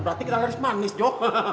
berarti kita harus manis jo